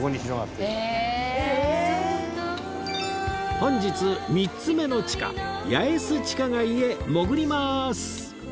本日３つ目の地下八重洲地下街へ潜ります